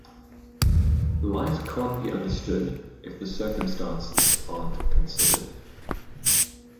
Life can’t be understood if the circumstances aren’t considered.